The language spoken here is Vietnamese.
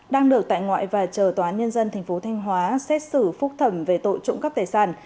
đang được tại ngoại và trờ tòa nhân dân thành phố thanh hóa xét xử phúc thẩm về tội trụng cấp tài sản